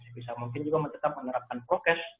sebisa mungkin juga tetap menerapkan prokes